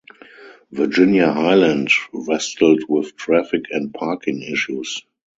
Virginia-Highland wrestled with traffic and parking issues.